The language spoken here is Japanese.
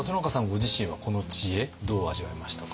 ご自身はこの知恵どう味わいましたか？